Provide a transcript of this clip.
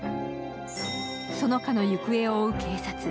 園香の行方を追う警察。